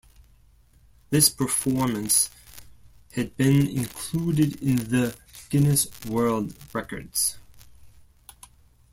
This performance had been included in the Guinness World Records.